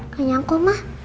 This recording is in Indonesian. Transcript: kenyang kok mah